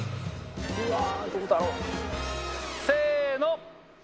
うわっどうだろう？せーの。